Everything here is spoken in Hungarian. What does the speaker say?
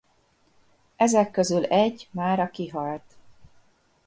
Ezek közül egy mára kihalt.